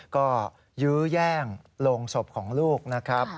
ก็ยื้อแย่งโรงศพของลูกนะครับ